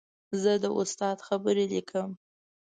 زه د استاد خبرې لیکم.